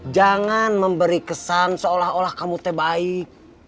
jangan memberi kesan seolah olah kamu teh baik